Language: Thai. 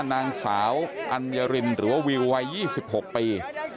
นางสาวอัญรินหรือว่าวิววัย๒๖ปี